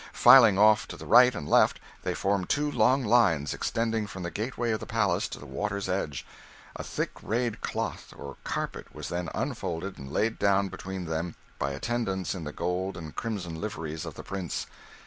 Filing off on the right and left, they formed two long lines, extending from the gateway of the palace to the water's edge. A thick rayed cloth or carpet was then unfolded, and laid down between them by attendants in the gold and crimson liveries of the prince.